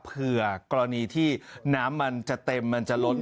กรณีที่น้ำมันจะเต็มมันจะล้น